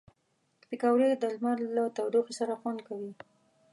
پکورې د لمر له تودوخې سره خوند کوي